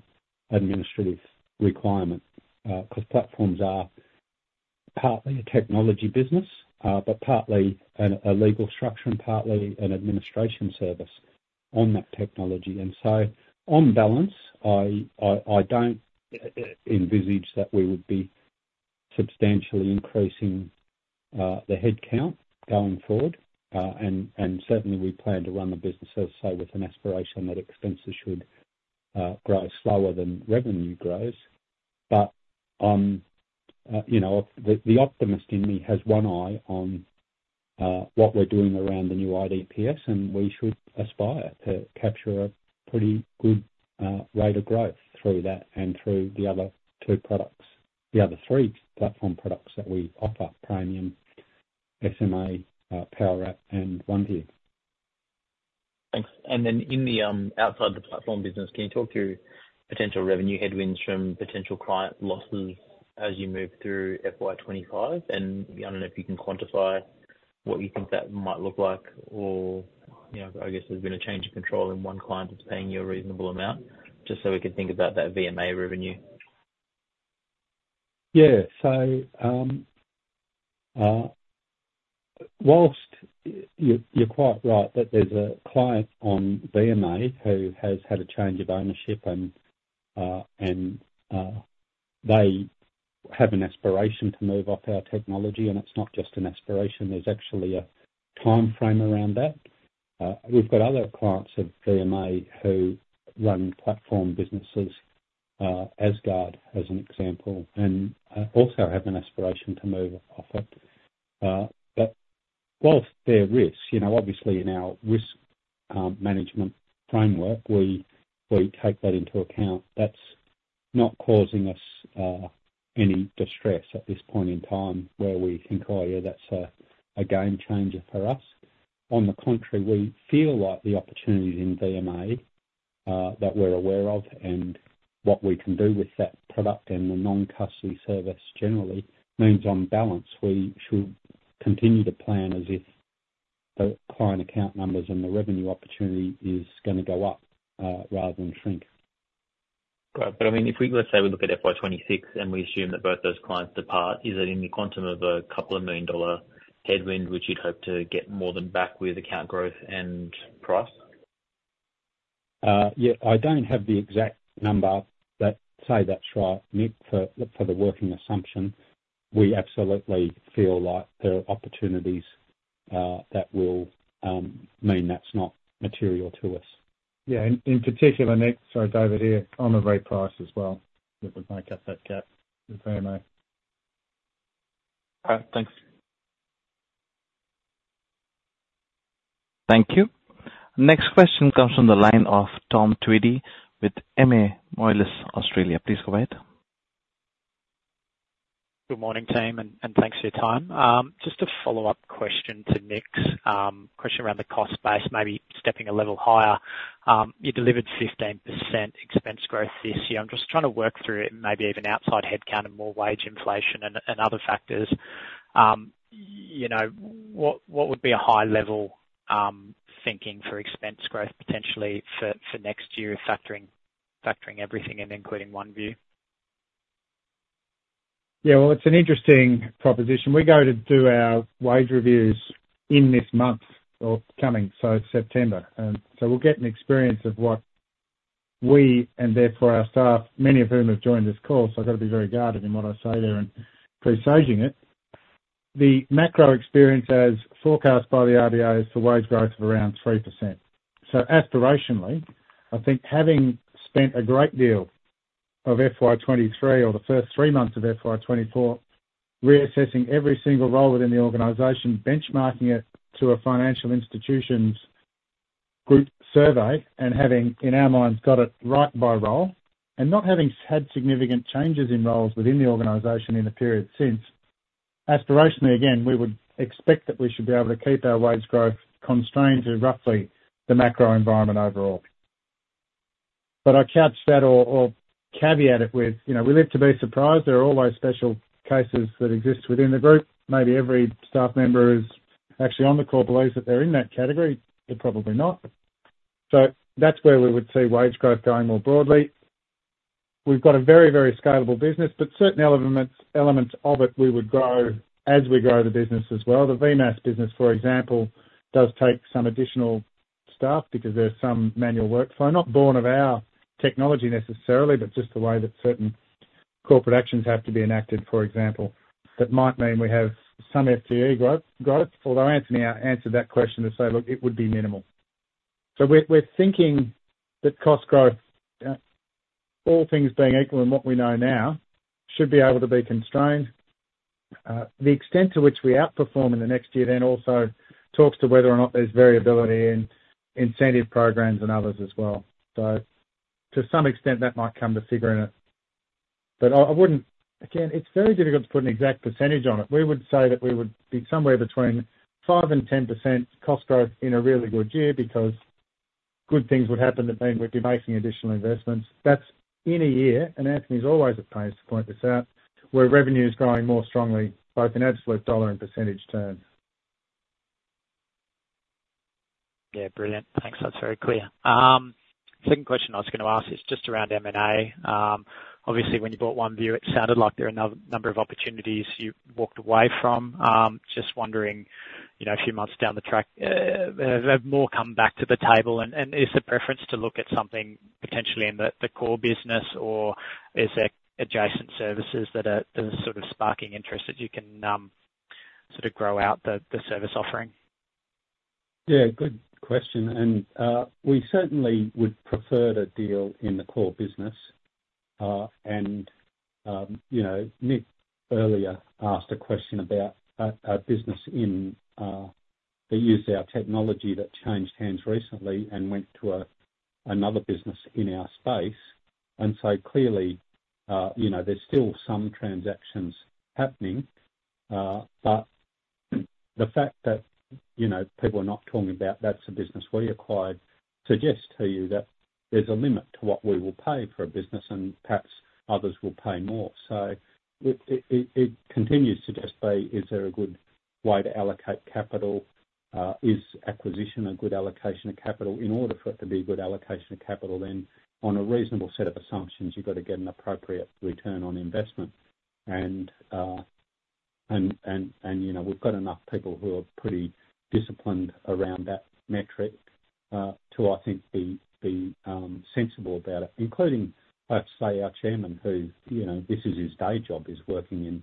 [SPEAKER 2] administrative requirement, because platforms are partly a technology business, but partly a legal structure and partly an administration service on that technology. On balance, I don't envisage that we would be substantially increasing the headcount going forward. And certainly, we plan to run the business, as I say, with an aspiration that expenses should grow slower than revenue grows. But you know, the optimist in me has one eye on what we're doing around the new IDPS, and we should aspire to capture a pretty good rate of growth through that and through the other two products. The other three platform products that we offer, Praemium, SMA, Powerwrap, and OneVue.
[SPEAKER 4] Thanks. And then in the outside the platform business, can you talk through potential revenue headwinds from potential client losses as you move through FY 2025? And I don't know if you can quantify what you think that might look like or, you know, I guess there's been a change of control and one client is paying you a reasonable amount, just so we can think about that VMA revenue.
[SPEAKER 2] Yeah. So, while you're quite right, that there's a client on VMA who has had a change of ownership and, and, they have an aspiration to move off our technology, and it's not just an aspiration, there's actually a timeframe around that. We've got other clients of VMA who run platform businesses, Asgard, as an example, and, also have an aspiration to move off it. But while there are risks, you know, obviously in our risk management framework, we take that into account. That's not causing us any distress at this point in time where we think, "Oh, yeah, that's a game changer for us." On the contrary, we feel like the opportunities in VMA that we're aware of, and what we can do with that product and the non-custody service generally means, on balance, we should continue to plan as if the client account numbers and the revenue opportunity is gonna go up, rather than shrink.
[SPEAKER 4] Great, but I mean, if we, let's say we look at FY 2026 and we assume that both those clients depart, is it in the quantum of 2 million dollar headwind, which you'd hope to get more than back with account growth and price?
[SPEAKER 2] Yeah, I don't have the exact number, but say that's right, Nick, for the working assumption. We absolutely feel like there are opportunities that will mean that's not material to us.
[SPEAKER 3] Yeah, in particular, Nick, sorry, David here, on the reprice as well, that would make up that gap with VMA.
[SPEAKER 4] All right, thanks.
[SPEAKER 1] Thank you. Next question comes from the line of Tom Tweedie with MA Moelis Australia. Please go ahead.
[SPEAKER 5] Good morning, team, and thanks for your time. Just a follow-up question to Nick's question around the cost base, maybe stepping a level higher. You delivered 15% expense growth this year. I'm just trying to work through it, and maybe even outside headcount and more wage inflation and other factors. You know, what would be a high level thinking for expense growth potentially for next year, factoring everything and including OneVue?
[SPEAKER 3] Yeah, well, it's an interesting proposition. We go to do our wage reviews in this month or coming, so September, and so we'll get an experience of what we and therefore our staff, many of whom have joined this call, so I've got to be very guarded in what I say there in presaging it. The macro experience, as forecast by the RBA, is for wage growth of around 3%. So aspirationally, I think having spent a great deal of FY23 or the first three months of FY24, reassessing every single role within the organization, benchmarking it to a financial institution's group survey, and having, in our minds, got it right by role, and not having had significant changes in roles within the organization in the period since, aspirationally, again, we would expect that we should be able to keep our wage growth constrained to roughly the macro environment overall. But I couch that or, or caveat it with, you know, we live to be surprised. There are always special cases that exist within the group. Maybe every staff member who's actually on the call believes that they're in that category. They're probably not. So that's where we would see wage growth going more broadly. We've got a very, very scalable business, but certain elements of it we would grow as we grow the business as well. The VMAAS business, for example, does take some additional staff because there's some manual workflow, not borne of our technology necessarily, but just the way that certain corporate actions have to be enacted, for example. That might mean we have some FTE growth, although Anthony answered that question to say, "Look, it would be minimal." We're thinking that cost growth, all things being equal and what we know now, should be able to be constrained. The extent to which we outperform in the next year then also talks to whether or not there's variability in incentive programs and others as well, so to some extent, that might come to figure in it, but I wouldn't. Again, it's very difficult to put an exact percentage on it. We would say that we would be somewhere between 5% and 10% cost growth in a really good year, because good things would happen that mean we'd be making additional investments. That's in a year, and Anthony's always at pains to point this out, where revenue is growing more strongly, both in absolute dollar and percentage terms.
[SPEAKER 5] Yeah, brilliant. Thanks. That's very clear. Second question I was going to ask is just around M&A. Obviously, when you bought OneVue, it sounded like there are a number of opportunities you walked away from. Just wondering, you know, a few months down the track, have more come back to the table? And is the preference to look at something potentially in the core business, or is there adjacent services that are sort of sparking interest that you can sort of grow out the service offering?
[SPEAKER 2] Yeah, good question, and we certainly would prefer to deal in the core business. And you know, Nick earlier asked a question about a business that used our technology that changed hands recently and went to another business in our space. And so clearly, you know, there's still some transactions happening, but the fact that, you know, people are not talking about, "That's a business we acquired," suggests to you that there's a limit to what we will pay for a business, and perhaps others will pay more. So it continues to just be, is there a good way to allocate capital? Is acquisition a good allocation of capital? In order for it to be a good allocation of capital, then on a reasonable set of assumptions, you've got to get an appropriate return on investment. And, you know, we've got enough people who are pretty disciplined around that metric to, I think, be sensible about it, including, I have to say, our chairman, who, you know, this is his day job, is working in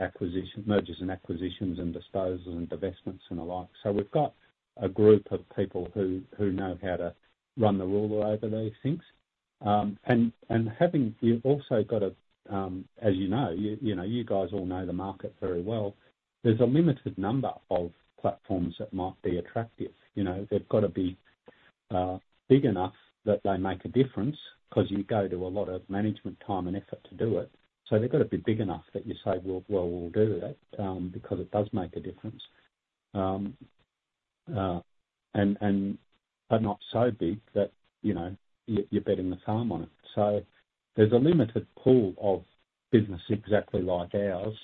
[SPEAKER 2] acquisition, mergers and acquisitions, and disposals and divestments and the like. So we've got a group of people who know how to run the ruler over these things. And you've also got to, as you know, you guys all know the market very well. There's a limited number of platforms that might be attractive. You know, they've got to be big enough that they make a difference, because you go to a lot of management time and effort to do it. So they've got to be big enough that you say, "Well, well, we'll do that," because it does make a difference, and are not so big that, you know, you're betting the farm on it. So there's a limited pool of business exactly like ours,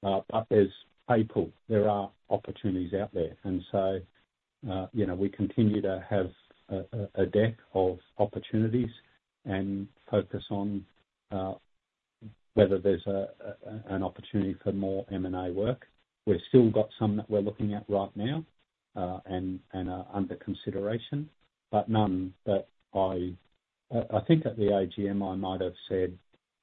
[SPEAKER 2] but there's a pool. There are opportunities out there. And so, you know, we continue to have a deck of opportunities and focus on whether there's an opportunity for more M&A work. We've still got some that we're looking at right now, and are under consideration, but none that I... I think at the AGM, I might have said,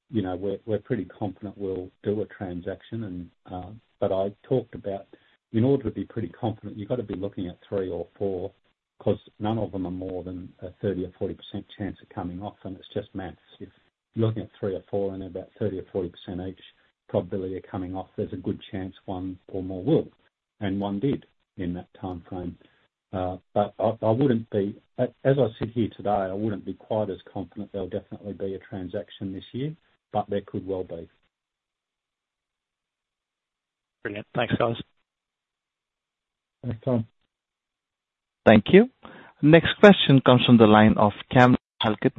[SPEAKER 2] you know, we're pretty confident we'll do a transaction, and, but I talked about in order to be pretty confident, you've got to be looking at three or four, 'cause none of them are more than a 30% or 40% chance of coming off, and it's just math. If you're looking at three or four and about 30% or 40% each probability of coming off, there's a good chance one or more will, and one did in that timeframe. But as I sit here today, I wouldn't be quite as confident there'll definitely be a transaction this year, but there could well be.
[SPEAKER 5] Brilliant. Thanks, guys.
[SPEAKER 2] Thanks, Tom.
[SPEAKER 1] Thank you. Next question comes from the line of Cam Halcott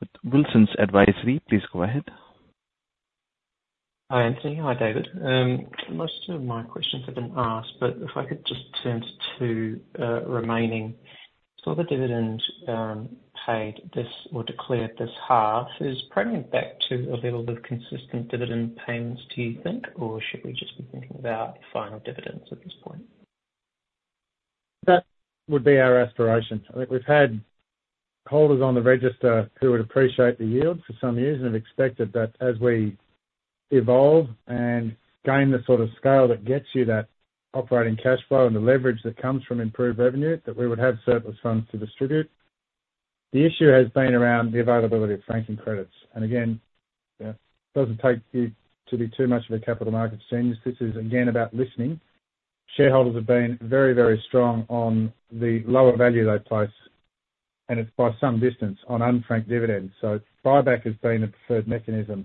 [SPEAKER 1] with Wilsons Advisory. Please go ahead.
[SPEAKER 6] Hi, Anthony. Hi, David. Most of my questions have been asked, but if I could just turn to remaining. So the dividend paid this or declared this half is probably back to a level of consistent dividend payments, do you think? Or should we just be thinking about final dividends at this point?
[SPEAKER 3] That would be our aspiration. I think we've had holders on the register who would appreciate the yield for some years and have expected that as we evolve and gain the sort of scale that gets you that operating cash flow and the leverage that comes from improved revenue, that we would have surplus funds to distribute. The issue has been around the availability of franking credits, and again, doesn't take you to be too much of a capital markets genius. This is again about listening. Shareholders have been very, very strong on the lower value they place, and it's by some distance on unfranked dividends. So buyback has been the preferred mechanism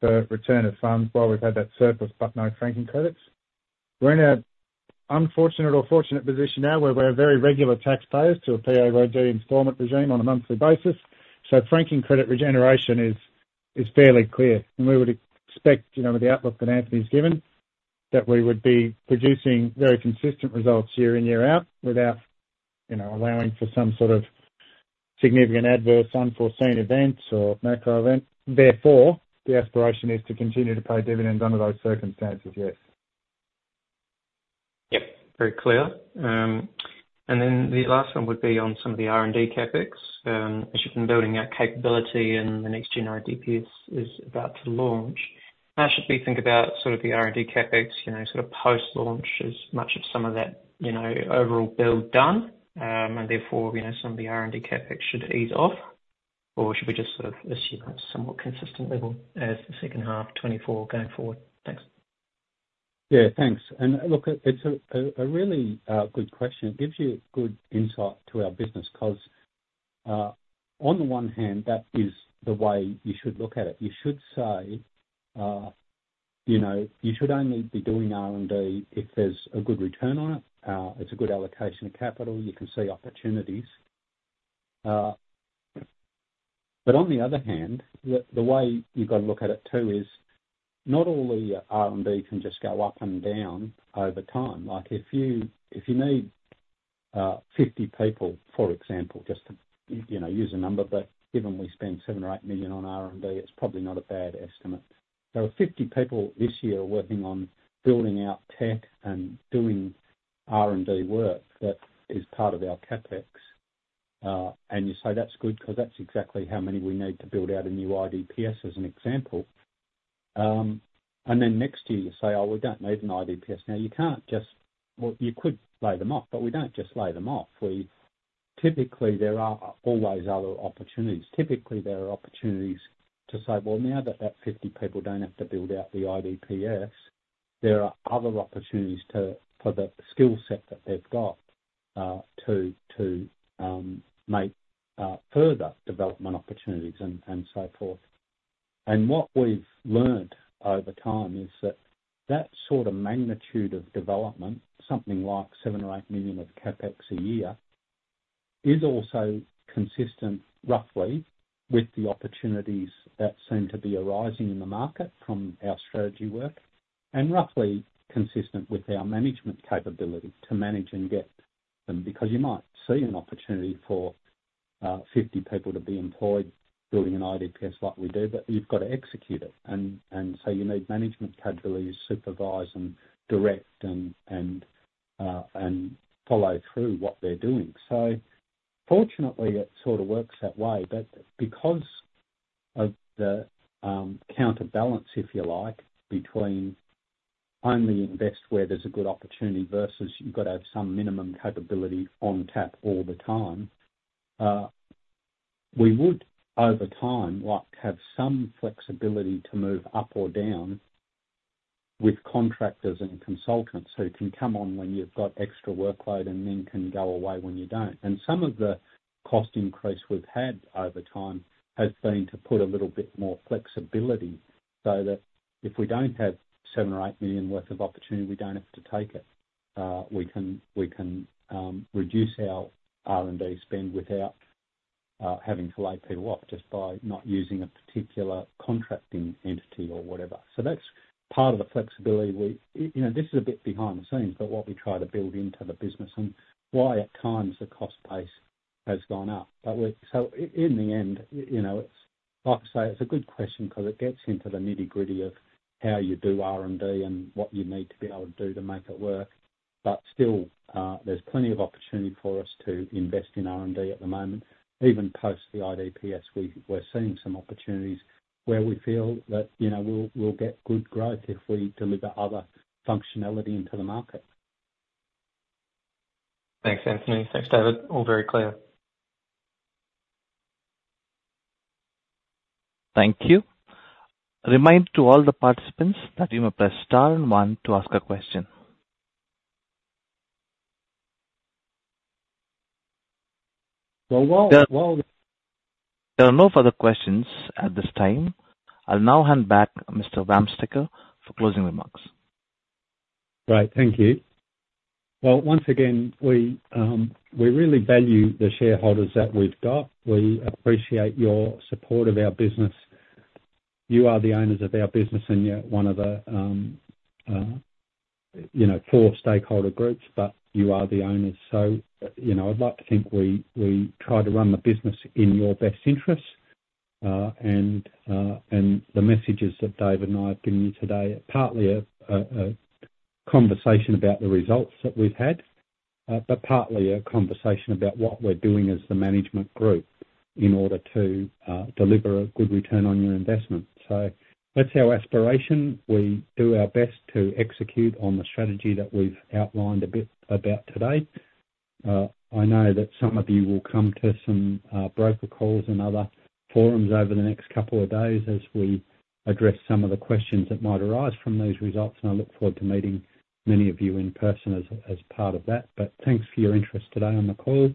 [SPEAKER 3] for return of funds while we've had that surplus, but no franking credits. We're in an unfortunate or fortunate position now where we're very regular taxpayers to a PAYG installment regime on a monthly basis. So franking credit regeneration is fairly clear, and we would expect, you know, with the outlook that Anthony's given, that we would be producing very consistent results year in, year out, without, you know, allowing for some sort of significant adverse, unforeseen events or macro event. Therefore, the aspiration is to continue to pay dividends under those circumstances, yes.
[SPEAKER 6] Yep, very clear. And then the last one would be on some of the R&D CapEx. As you've been building our capability and the next gen IDPS is about to launch, how should we think about sort of the R&D CapEx, you know, sort of post-launch as much of some of that, you know, overall build done, and therefore, you know, some of the R&D CapEx should ease off? Or should we just sort of assume a somewhat consistent level as the second half 2024 going forward? Thanks.
[SPEAKER 2] Yeah, thanks. And look, it's a really good question. It gives you good insight to our business because, on the one hand, that is the way you should look at it. You should say, you know, you should only be doing R&D if there's a good return on it, it's a good allocation of capital, you can see opportunities. But on the other hand, the way you've got to look at it, too, is not all the R&D can just go up and down over time. Like, if you need 50 people, for example, just to use a number, but given we spend 7 million-8 million on R&D, it's probably not a bad estimate. There are 50 people this year working on building out tech and doing R&D work that is part of our CapEx. And you say that's good because that's exactly how many we need to build out a new IDPS, as an example. And then next year, you say, "Oh, we don't need an IDPS." Now, you can't just... Well, you could lay them off, but we don't just lay them off. Typically, there are always other opportunities. Typically, there are opportunities to say, "Well, now that 50 people don't have to build out the IDPS," there are other opportunities for the skill set that they've got, to make further development opportunities and so forth. And what we've learned over time is that that sort of magnitude of development, something like seven or eight million of CapEx a year, is also consistent, roughly, with the opportunities that seem to be arising in the market from our strategy work, and roughly consistent with our management capability to manage and get them. Because you might see an opportunity for fifty people to be employed building an IDPS like we do, but you've got to execute it. And so you need management capabilities, supervise and direct and follow through what they're doing. Fortunately, it sort of works that way, but because of the counterbalance, if you like, between only invest where there's a good opportunity versus you've got to have some minimum capability on tap all the time, we would, over time, like, have some flexibility to move up or down with contractors and consultants who can come on when you've got extra workload and then can go away when you don't. And some of the cost increase we've had over time has been to put a little bit more flexibility, so that if we don't have seven or eight million worth of opportunity, we don't have to take it. We can reduce our R&D spend without having to lay people off just by not using a particular contracting entity or whatever. That's part of the flexibility. We, you know, this is a bit behind the scenes, but what we try to build into the business and why at times the cost base has gone up. In the end, you know, it's like I say, it's a good question because it gets into the nitty-gritty of how you do R&D and what you need to be able to do to make it work. But still, there's plenty of opportunity for us to invest in R&D at the moment. Even post the IDPS, we're seeing some opportunities where we feel that, you know, we'll get good growth if we deliver other functionality into the market.
[SPEAKER 1] Thanks, Anthony. Thanks, David. All very clear. Thank you. Reminder to all the participants that you may press star one to ask a question.
[SPEAKER 2] Well, while-
[SPEAKER 1] There are no further questions at this time. I'll now hand back Mr. Wamsteker for closing remarks.
[SPEAKER 2] Great, thank you. Well, once again, we really value the shareholders that we've got. We appreciate your support of our business. You are the owners of our business, and you're one of the, you know, four stakeholder groups, but you are the owners. So, you know, I'd like to think we try to run the business in your best interest. And the messages that David and I have given you today are partly a conversation about the results that we've had, but partly a conversation about what we're doing as the management group in order to deliver a good return on your investment. So that's our aspiration. We do our best to execute on the strategy that we've outlined a bit about today. I know that some of you will come to some broker calls and other forums over the next couple of days as we address some of the questions that might arise from these results, and I look forward to meeting many of you in person as part of that. But thanks for your interest today on the call.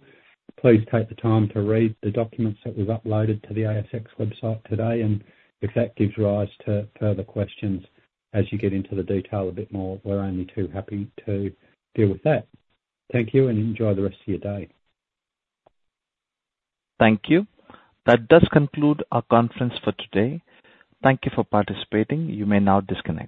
[SPEAKER 2] Please take the time to read the documents that we've uploaded to the ASX website today, and if that gives rise to further questions as you get into the detail a bit more, we're only too happy to deal with that. Thank you, and enjoy the rest of your day.
[SPEAKER 1] Thank you. That does conclude our conference for today. Thank you for participating. You may now disconnect.